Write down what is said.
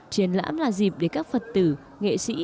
triển lãm là dịp để các phật tử nghệ sĩ